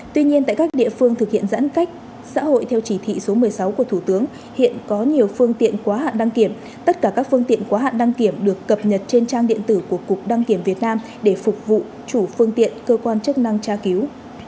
tuy nhiên tại các địa phương thực hiện giãn cách xã hội theo chỉ thị số một mươi sáu của thủ tướng hiện có nhiều phương tiện quá hạn đăng kiểm tất cả các phương tiện quá hạn đăng kiểm được cập nhật trên trang điện tử của cục đăng kiểm việt nam để phục vụ chủ phương tiện cơ quan chức năng tra cứu